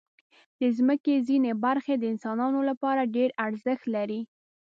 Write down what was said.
د مځکې ځینې برخې د انسانانو لپاره ډېر ارزښت لري.